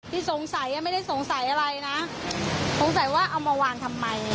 ที่สงสัยไม่ได้สงสัยอะไรนะสงสัยว่าเอามาวางทำไม